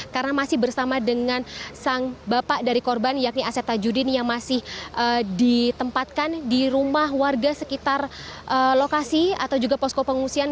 karena masih bersama dengan sang bapak dari korban yakni asep tajudin yang masih ditempatkan di rumah warga sekitar lokasi atau juga posko pengungsian